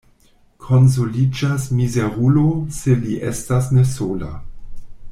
Konsoliĝas mizerulo, se li estas ne sola.